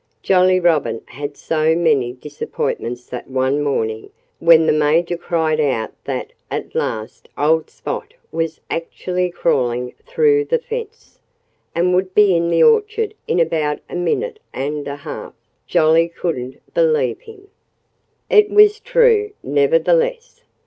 Jolly Robin had so many disappointments that one morning when the Major cried out that at last old Spot was actually crawling through the fence, and would be in the orchard in about a minute and a half, Jolly couldn't believe him. It was true, nevertheless.